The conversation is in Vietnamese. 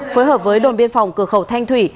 phối hợp với đồn biên phòng cửa khẩu thanh thủy